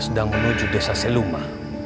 sudah menuju desa seluma